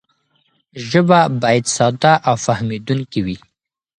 ژبه باید ساده او فهمېدونکې وي.